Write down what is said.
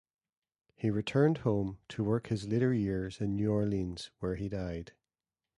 He returned home to work his later years in New Orleans, where he died.